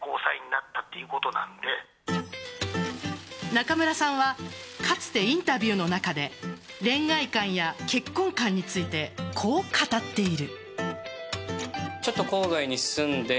中村さんはかつて、インタビューの中で恋愛観や結婚観についてこう語っている。